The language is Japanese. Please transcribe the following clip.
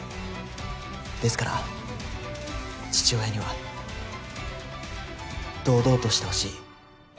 ですから父親には堂々としてほしい。